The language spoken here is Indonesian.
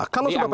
kalau pak sby